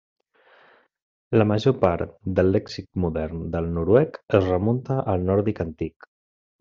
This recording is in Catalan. La major part del lèxic modern del noruec es remunta al nòrdic antic.